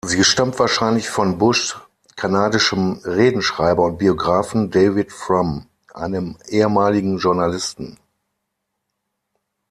Sie stammt wahrscheinlich von Bushs kanadischem Redenschreiber und Biographen David Frum, einem ehemaligen Journalisten.